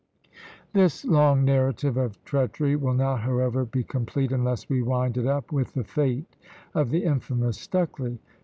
This long narrative of treachery will not, however, be complete, unless we wind it up with the fate of the infamous Stucley.